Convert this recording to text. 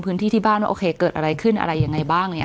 ที่บ้านว่าโอเคเกิดอะไรขึ้นอะไรยังไงบ้างเนี่ย